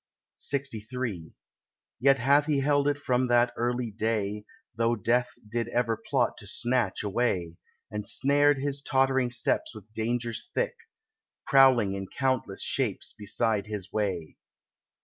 LXIII Yet hath he held it from that early day, Though Death did ever plot to snatch away, And snared his tottering steps with dangers thick, Prowling in countless shapes beside his way.